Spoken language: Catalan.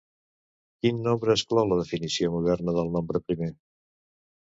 Quin nombre exclou la definició moderna de nombre primer?